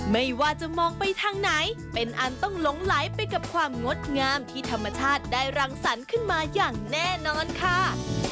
ไม่ว่าจะมองไปทางไหนเป็นอันต้องหลงไหลไปกับความงดงามที่ธรรมชาติได้รังสรรค์ขึ้นมาอย่างแน่นอนค่ะ